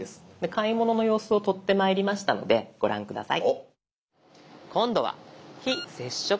買い物の様子を撮ってまいりましたのでご覧下さい。